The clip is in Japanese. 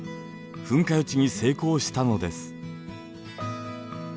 噴火予知に成功したのです。